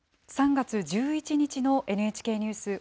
３月１１日のＮＨＫニュース